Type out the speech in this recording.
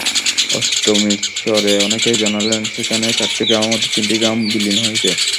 অষ্টমীর চরে অনেকেই জানালেন, সেখানে চারটি গ্রামের মধ্যে তিনটি গ্রাম বিলীন হয়েছে।